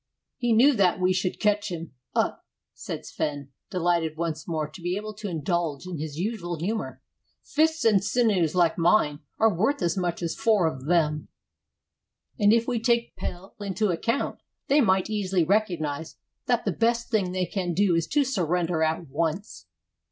"He knew that we should catch him up," said Sven, delighted once more to be able to indulge in his usual humor. "Fists and sinews like mine are worth as much as four of them; and if we take Pelle into account, they might easily recognize that the best thing they can do is to surrender at once."